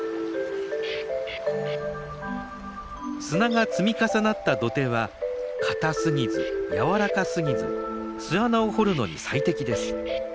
砂が積み重なった土手は硬すぎず軟らかすぎず巣穴を掘るのに最適です。